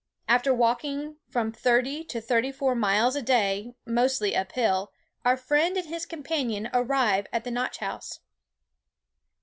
After walking from thirty to thirty four miles a day, mostly up hill, our friend and his companion arrive at the Notch house.